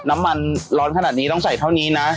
น้ำมันร้อนขนาดนี้ต้องใส่เท่านี้นะ